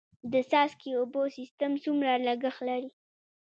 د څاڅکي اوبو سیستم څومره لګښت لري؟